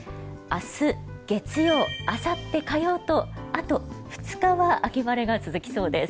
明日月曜あさって火曜とあと２日は秋晴れが続きそうです。